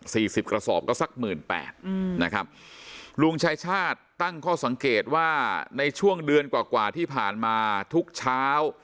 สิบกระสอบก็สักหมื่นแปดอืมนะครับลุงชายชาติตั้งข้อสังเกตว่าในช่วงเดือนกว่ากว่าที่ผ่านมาทุกเช้า